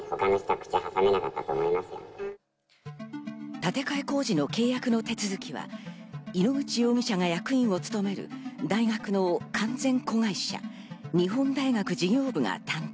建て替え工事の契約の手続きは井ノ口容疑者が役員を務める大学の完全子会社・日本大学事業部が担当。